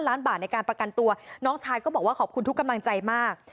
ล้านบาทในการประกันตัวน้องชายก็บอกว่าขอบคุณทุกกำลังใจมาก